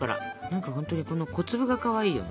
何かほんとにこの小粒がかわいいよね。